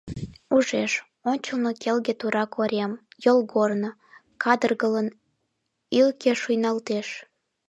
Ужеш: ончылно келге тура корем, йолгорно, кадыргылын, ӱлкӧ шуйналтеш.